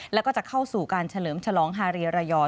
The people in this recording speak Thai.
แล้วก็จะเข้าสู่การเฉลิมฉลองฮาเรียรายอ